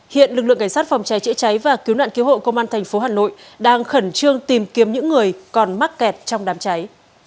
hiện lực lượng cảnh sát phòng cháy chữa cháy và cứu nạn cứu hộ công an thành phố hà nội đang khẩn trương tìm kiếm những người còn mắc kẹt trong đám cháy